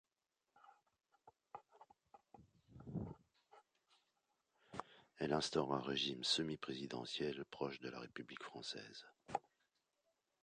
Elle instaure un régime semi-présidentiel proche de la République française.